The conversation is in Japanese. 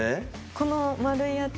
この丸いやつ。